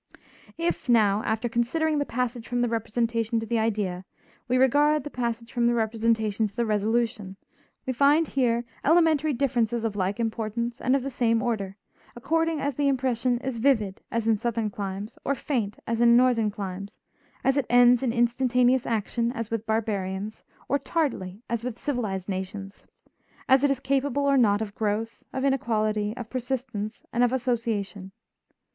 If, now, after considering the passage from the representation to the idea, we regard the passage from the representation to the resolution, we find here elementary differences of like importance and of the same order, according as the impression is vivid, as in Southern climes, or faint, as in Northern climes, as it ends in instantaneous action as with barbarians, or tardily as with civilized nations, as it is capable or not of growth, of inequality, of persistence and of association.